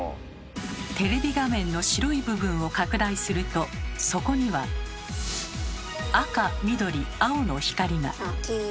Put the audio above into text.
テレビ画面の白い部分を拡大するとそこには赤緑青の光が。